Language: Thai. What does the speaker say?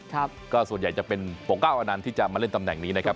ครับก็ส่วนใหญ่จะเป็นโปรก้าวอนันต์ที่จะมาเล่นตำแหน่งนี้นะครับ